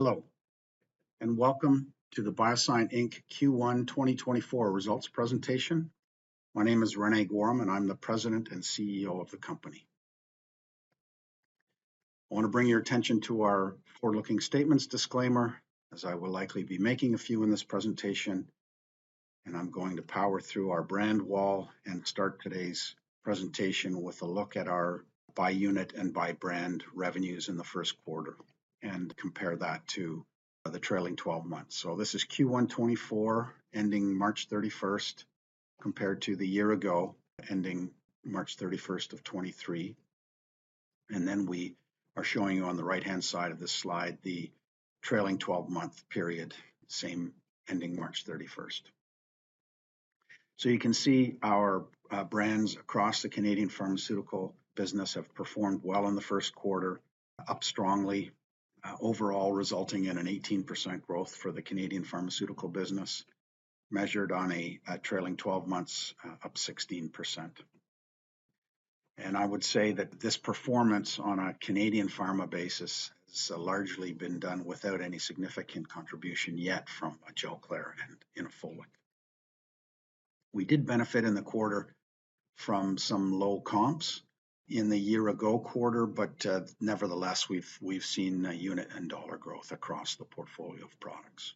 Hello, and welcome to the BioSyent Inc. Q1 2024 results presentation. My name is René Goehrum, and I'm the President and CEO of the company. I want to bring your attention to our forward-looking statements disclaimer, as I will likely be making a few in this presentation, and I'm going to power through our brand wall and start today's presentation with a look at our by unit and by brand revenues in the first quarter and compare that to the trailing twelve months. So this is Q1 2024, ending March 31, compared to the year ago, ending March 31 of 2023. And then we are showing you on the right-hand side of this slide, the trailing twelve-month period, same ending March 31. So you can see our brands across the Canadian pharmaceutical business have performed well in the first quarter, up strongly, overall, resulting in an 18% growth for the Canadian pharmaceutical business, measured on a trailing 12 months, up 16%. I would say that this performance on a Canadian pharma basis has largely been done without any significant contribution yet from Gelclair and Inofolic. We did benefit in the quarter from some low comps in the year ago quarter, but nevertheless, we've seen a unit and dollar growth across the portfolio of products.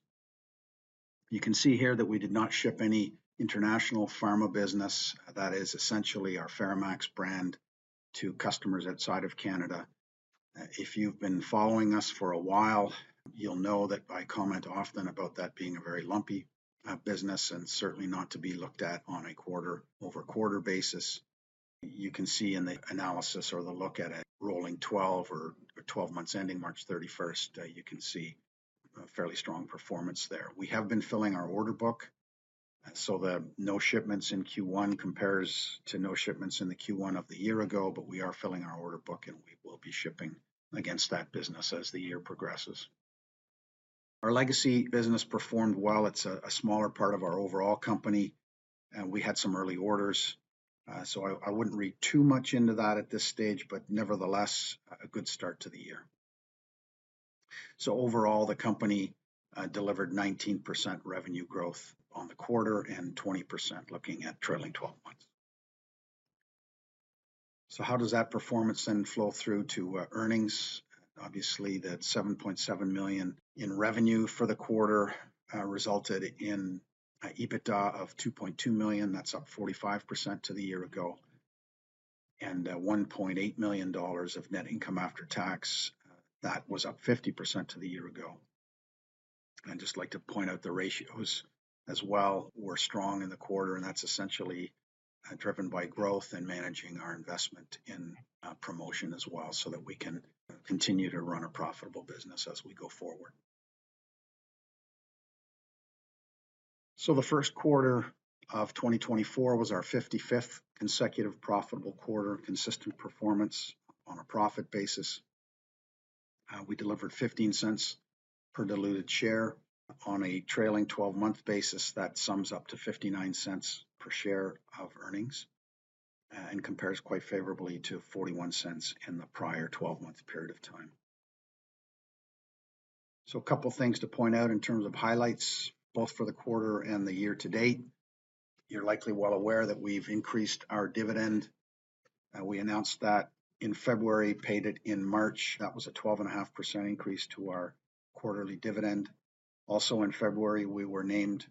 You can see here that we did not ship any international pharma business. That is essentially our FeraMAX brand to customers outside of Canada. If you've been following us for a while, you'll know that I comment often about that being a very lumpy business and certainly not to be looked at on a quarter-over-quarter basis. You can see in the analysis or the look at it, rolling 12 or 12 months, ending March 31st, you can see a fairly strong performance there. We have been filling our order book, so the no shipments in Q1 compares to no shipments in the Q1 of the year ago, but we are filling our order book, and we will be shipping against that business as the year progresses. Our legacy business performed well. It's a smaller part of our overall company, and we had some early orders. So I wouldn't read too much into that at this stage, but nevertheless, a good start to the year. So overall, the company delivered 19% revenue growth on the quarter and 20% looking at trailing twelve months. So how does that performance then flow through to earnings? Obviously, that 7.7 million in revenue for the quarter resulted in EBITDA of 2.2 million. That's up 45% to the year ago, and 1.8 million dollars of net income after tax, that was up 50% to the year ago. I'd just like to point out the ratios as well were strong in the quarter, and that's essentially driven by growth and managing our investment in promotion as well, so that we can continue to run a profitable business as we go forward. So the first quarter of 2024 was our 55th consecutive profitable quarter, consistent performance on a profit basis. We delivered 0.15 per diluted share. On a trailing twelve-month basis, that sums up to 0.59 per share of earnings, and compares quite favorably to 0.41 in the prior twelve-month period of time. So a couple things to point out in terms of highlights, both for the quarter and the year to date. You're likely well aware that we've increased our dividend. We announced that in February, paid it in March. That was a 12.5% increase to our quarterly dividend. Also in February, we were named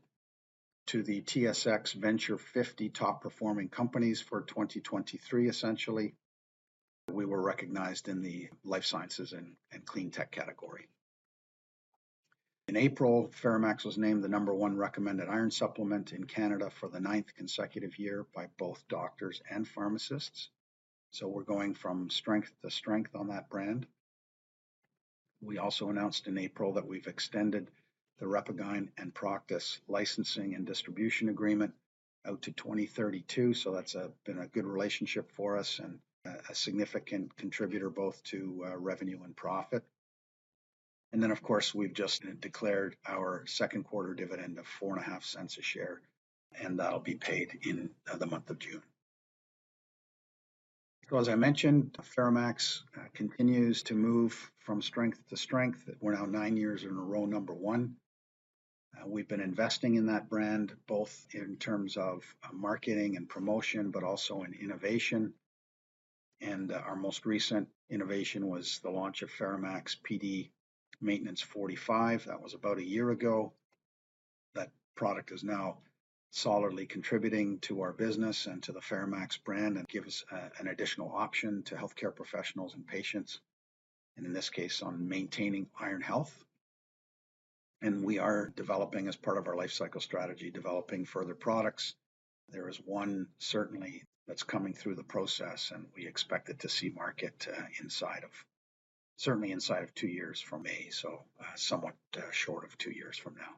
to the TSX Venture 50 top-performing companies for 2023, essentially. We were recognized in the life sciences and clean tech category. In April, FeraMAX was named the No. 1 recommended iron supplement in Canada for the ninth consecutive year by both doctors and pharmacists. So we're going from strength to strength on that brand. We also announced in April that we've extended the RepaGyn and Proktis licensing and distribution agreement out to 2032. So that's been a good relationship for us and a significant contributor both to revenue and profit. And then, of course, we've just declared our second quarter dividend of 0.045 a share, and that'll be paid in the month of June. So as I mentioned, FeraMAX continues to move from strength to strength. We're now nine years in a row, number one. We've been investing in that brand, both in terms of marketing and promotion, but also in innovation. And our most recent innovation was the launch of FeraMAX Pd Maintenance 45. That was about a year ago. That product is now solidly contributing to our business and to the FeraMAX brand and give us, an additional option to healthcare professionals and patients, and in this case, on maintaining iron health. We are developing as part of our life cycle strategy, developing further products. There is one certainly that's coming through the process, and we expect it to see market, inside of, certainly inside of two years from May, so, somewhat, short of two years from now.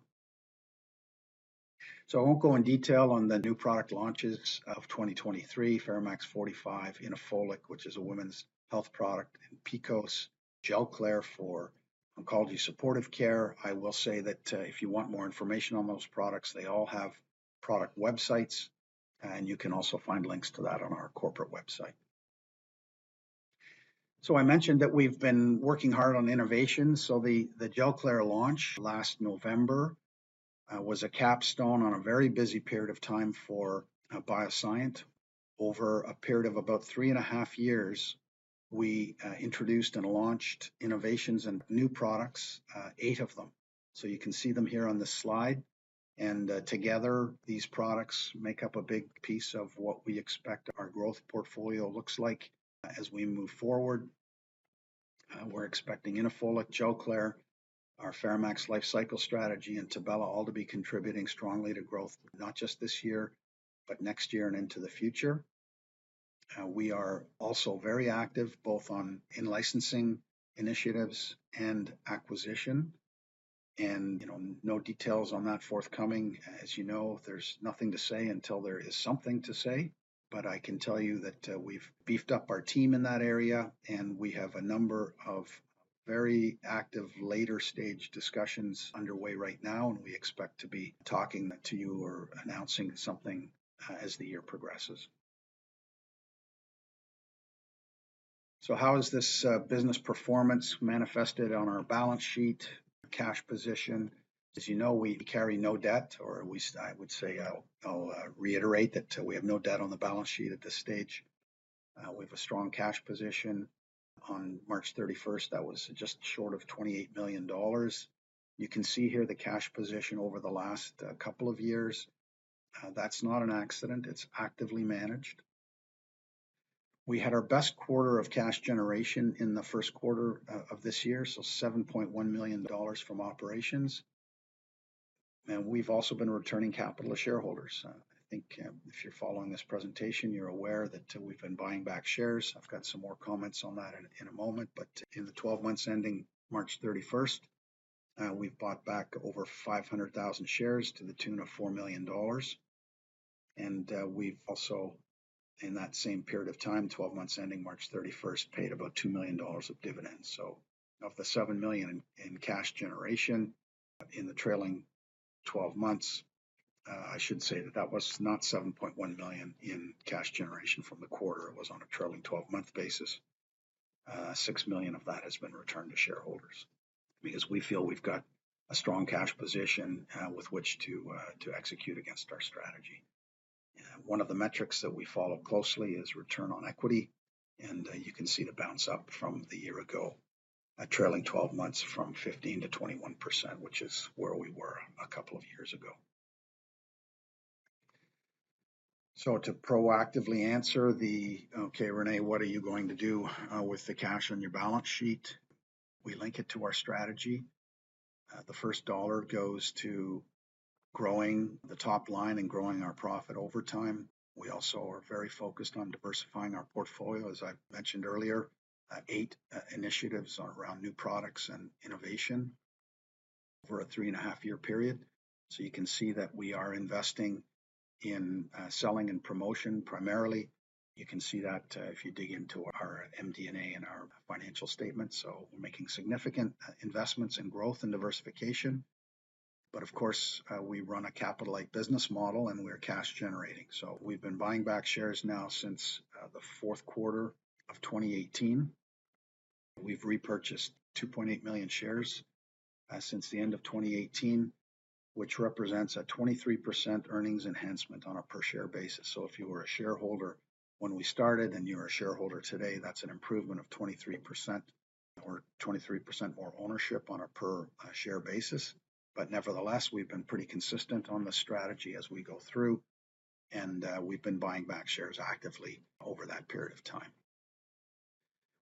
So I won't go in detail on the new product launches of 2023, FeraMAX 45, Inofolic, which is a women's health product, and PCOS, Gelclair for oncology supportive care. I will say that, if you want more information on those products, they all have product websites, and you can also find links to that on our corporate website.... So I mentioned that we've been working hard on innovation. So the Gelclair launch last November was a capstone on a very busy period of time for BioSyent. Over a period of about three and a half years, we introduced and launched innovations and new products, eight of them. So you can see them here on this slide, and together, these products make up a big piece of what we expect our growth portfolio looks like as we move forward. We're expecting Inofolic, Gelclair, our FeraMAX lifecycle strategy, and Tibella all to be contributing strongly to growth, not just this year, but next year and into the future. We are also very active both on in-licensing initiatives and acquisition and, you know, no details on that forthcoming. As you know, there's nothing to say until there is something to say, but I can tell you that, we've beefed up our team in that area, and we have a number of very active later-stage discussions underway right now, and we expect to be talking to you or announcing something, as the year progresses. So how is this business performance manifested on our balance sheet, cash position? As you know, we carry no debt. I would say, I'll reiterate that we have no debt on the balance sheet at this stage. We have a strong cash position. On March 31st, that was just short of 28 million dollars. You can see here the cash position over the last couple of years. That's not an accident. It's actively managed. We had our best quarter of cash generation in the first quarter of this year, so 7.1 million dollars from operations, and we've also been returning capital to shareholders. I think if you're following this presentation, you're aware that we've been buying back shares. I've got some more comments on that in a moment, but in the 12 months ending March thirty-first, we've bought back over 500,000 shares to the tune of 4 million dollars. We've also, in that same period of time, 12 months ending March thirty-first, paid about 2 million dollars of dividends. So of the 7 million in cash generation in the trailing 12 months, I should say that that was not 7.1 million in cash generation from the quarter. It was on a trailing 12-month basis. 6 million of that has been returned to shareholders because we feel we've got a strong cash position, with which to execute against our strategy. One of the metrics that we follow closely is return on equity, and you can see the bounce up from the year ago, a trailing 12 months from 15%-21%, which is where we were a couple of years ago. So to proactively answer the, "Okay, René, what are you going to do with the cash on your balance sheet?" We link it to our strategy. The first dollar goes to growing the top line and growing our profit over time. We also are very focused on diversifying our portfolio. As I mentioned earlier, 8 initiatives around new products and innovation over a 3.5-year period. So you can see that we are investing in, selling and promotion primarily. You can see that, if you dig into our MD&A and our financial statements. So we're making significant, investments in growth and diversification, but of course, we run a capital-light business model, and we're cash generating. So we've been buying back shares now since, the fourth quarter of 2018. We've repurchased 2.8 million shares, since the end of 2018, which represents a 23% earnings enhancement on a per-share basis. So if you were a shareholder when we started, and you're a shareholder today, that's an improvement of 23% or 23% more ownership on a per, share basis. But nevertheless, we've been pretty consistent on this strategy as we go through, and, we've been buying back shares actively over that period of time.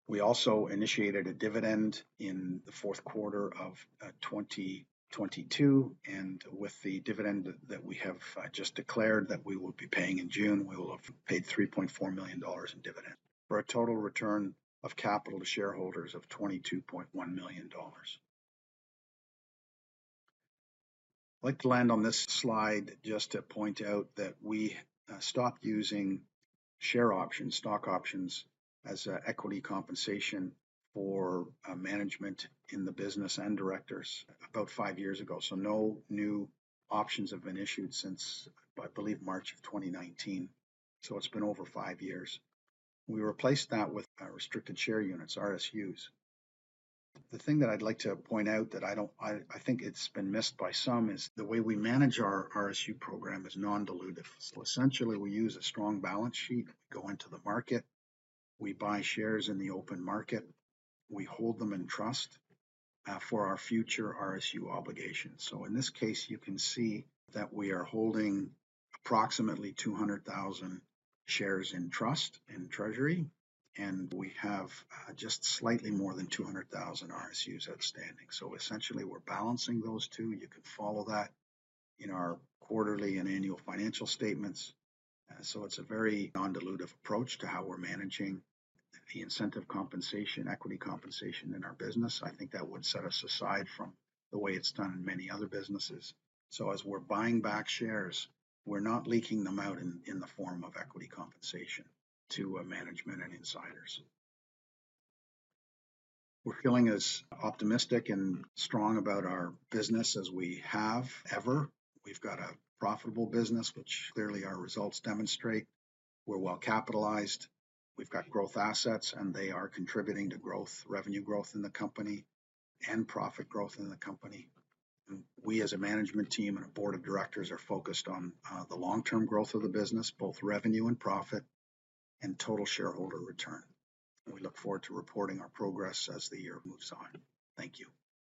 We also initiated a dividend in the fourth quarter of 2022, and with the dividend that we have just declared that we will be paying in June, we will have paid 3.4 million dollars in dividends, for a total return of capital to shareholders of 22.1 million dollars. I'd like to land on this slide just to point out that we stopped using share options, stock options, as equity compensation for management in the business and directors about five years ago. So no new options have been issued since, I believe, March of 2019. So it's been over five years. We replaced that with restricted share units, RSUs. The thing that I'd like to point out that I think it's been missed by some, is the way we manage our RSU program is non-dilutive. So essentially, we use a strong balance sheet, go into the market, we buy shares in the open market, we hold them in trust for our future RSU obligations. So in this case, you can see that we are holding approximately 200,000 shares in trust, in treasury, and we have just slightly more than 200,000 RSUs outstanding. So essentially, we're balancing those two. You could follow that in our quarterly and annual financial statements. So it's a very non-dilutive approach to how we're managing the incentive compensation, equity compensation in our business. I think that would set us aside from the way it's done in many other businesses. So as we're buying back shares, we're not leaking them out in the form of equity compensation to management and insiders. We're feeling as optimistic and strong about our business as we have ever. We've got a profitable business, which clearly our results demonstrate. We're well-capitalized. We've got growth assets, and they are contributing to growth, revenue growth in the company and profit growth in the company. We, as a management team and a board of directors, are focused on the long-term growth of the business, both revenue and profit, and total shareholder return. We look forward to reporting our progress as the year moves on. Thank you.